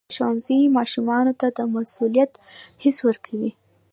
ښوونځی ماشومانو ته د مسؤلیت حس ورکوي.